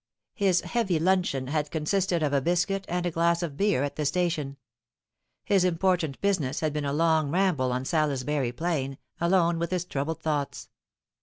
His heavy luncheon had consisted of a biscuit and a glass of beer at the station. His important business had been a long ramble on Salisbury Plain, alone with his troubled thoughts.